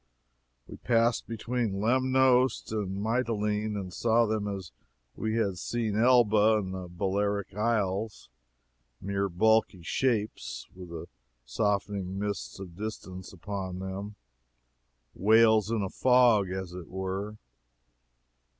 We passed between Lemnos and Mytilene, and saw them as we had seen Elba and the Balearic Isles mere bulky shapes, with the softening mists of distance upon them whales in a fog, as it were.